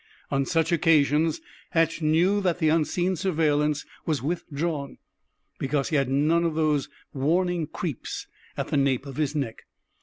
On such occasions Hatch knew that the unseen surveillance was withdrawn, because he had none of those warning "creeps" at the nape of his neck.